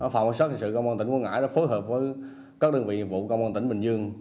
phòng cảnh sát hình sự công an tỉnh quảng ngãi đã phối hợp với các đơn vị nghiệp vụ công an tỉnh bình dương